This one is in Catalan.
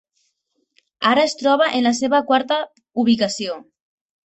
Ara es troba en la seva quarta ubicació.